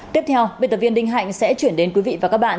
tiếp theo biên tập viên đinh hạnh sẽ chuyển đến quý vị và các bạn